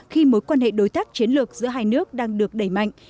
khi mối quan hệ đối tác chiến lược giữa hai nước đang được đẩy mạnh